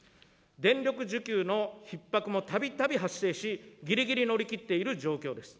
電力需給のひっ迫もたびたび発生し、ぎりぎり乗り切っている状況です。